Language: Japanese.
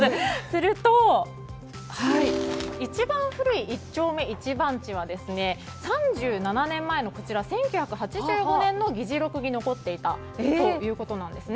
すると、一番古い一丁目一番地は３７年前の１９８５年の議事録に残っていたということです。